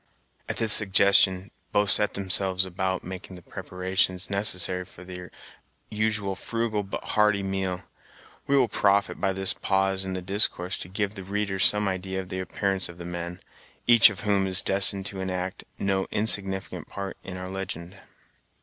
At this suggestion, both set themselves about making the preparations necessary for their usual frugal but hearty meal. We will profit by this pause in the discourse to give the reader some idea of the appearance of the men, each of whom is destined to enact no insignificant part in our legend.